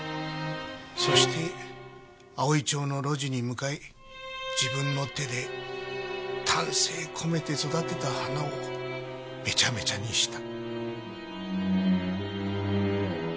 そして葵町の路地に向かい自分の手で丹精込めて育てた花をめちゃめちゃにした。